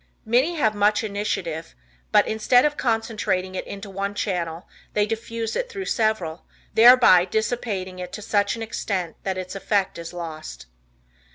Many have much initiative, but instead of concentrating it into one channel, they diffuse it through several, thereby dissipating it to such an extent that its effect is lost.